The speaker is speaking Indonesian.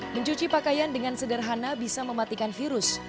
mencuci pakaian dengan sederhana bisa mematikan virus